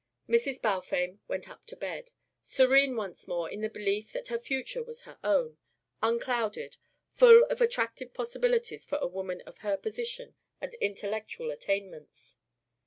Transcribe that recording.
Mrs. Balfame went up to bed, serene once more in the belief that her future was her own, unclouded, full of attractive possibilities for a woman of her position and intellectual attainments.